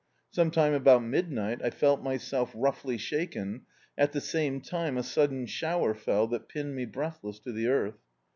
Sometime about midnight, I felt myself roughly shaken, at the same time a sudden shower fell that piimed me breathless to the earth.